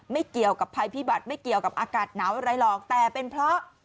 ไม่เกี่ยวกับภัยพิบัติไม่เกี่ยวกับอากาศหนาวอะไรหรอกแต่เป็นเพราะ